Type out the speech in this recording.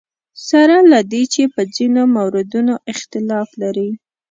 سره له دې چې په ځینو موردونو اختلاف لري.